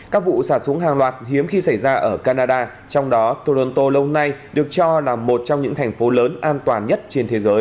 các vụ xả súng hàng loạt hiếm khi xảy ra ở canada trong đó toronto lâu nay được cho là một trong những thành phố lớn an toàn nhất trên thế giới